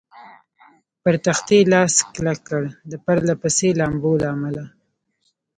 پر تختې لاس کلک کړ، د پرله پسې لامبو له امله.